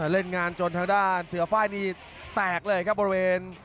เล่นงานจนทางด้านเสือไฟล์นี้แตกเลยครับบริเวณ